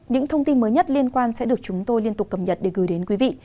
những thông tin mới nhất liên quan sẽ được chúng tôi liên tục cập nhật để gửi đến quý vị